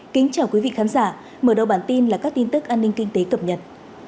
kính chào quý vị khán giả mở đầu bản tin là các tin tức an ninh kinh tế cập nhật